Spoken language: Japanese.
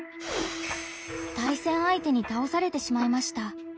対戦相手に倒されてしまいました。